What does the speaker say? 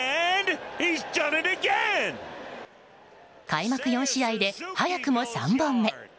開幕４試合で早くも３本目。